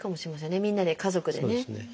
みんなで家族でね。